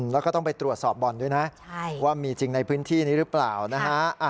แล้วก็ต้องไปตรวจสอบบ่อนด้วยนะว่ามีจริงในพื้นที่นี้หรือเปล่านะฮะ